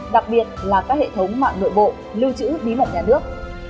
đặc biệt là các hệ thống mạng nội bộ lưu trữ bí mật nhà nước